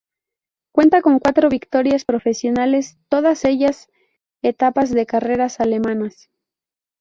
Cuenta con cuatro victorias profesionales, todas ellas etapas de carreras alemanas.